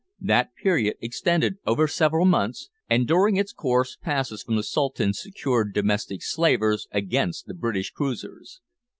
That period extended over several months, and during its course passes from the Sultan secured "domestic slavers" against the British cruisers.